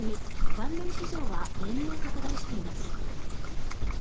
関連市場は年々拡大しています。